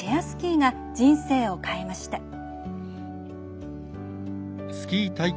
スキーが人生を変えました。